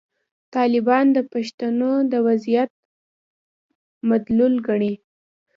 طالبان د پښتنو د وضعیت مدلول ګڼلي.